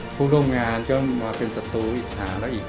คู่โรงงานก็มาเป็นอิจฉาแล้วอีก